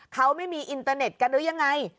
เขาไม่มีอินเตอร์เน็ตกันหรือยังไง